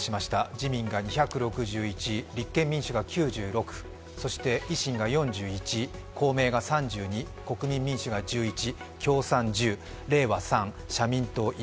自民が２６１、立憲民主が９６そして維新が４１、公明が３２国民民主が１１、共産が１０、れいわ３、社民党１、